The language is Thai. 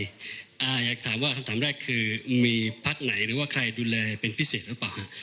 อยากถามว่าคำถามแรกคือมีพักไหนหรือว่าใครดูแลเป็นพิเศษหรือเปล่าฮะ